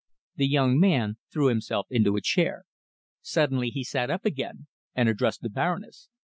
The young man threw himself into a chair. Suddenly he sat up again, and addressed the Baroness.